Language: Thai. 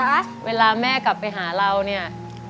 อยากให้แม่กลับไปหาเราเนี่ย